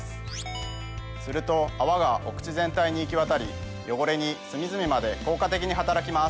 すると泡がお口全体に行きわたり汚れに隅々まで効果的に働きます。